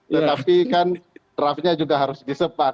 tetapi kan draftnya juga harus disepak